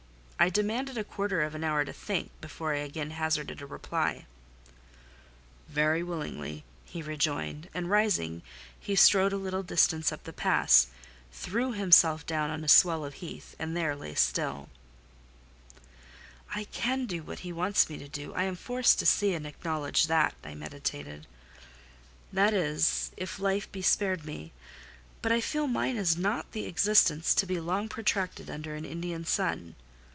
I demanded a quarter of an hour to think, before I again hazarded a reply. "Very willingly," he rejoined; and rising, he strode a little distance up the pass, threw himself down on a swell of heath, and there lay still. He threw himself down on a swell of heath, and there lay still "I can do what he wants me to do: I am forced to see and acknowledge that," I meditated,—"that is, if life be spared me. But I feel mine is not the existence to be long protracted under an Indian sun.